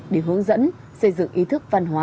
để hướng dẫn xây dựng ý thức văn hóa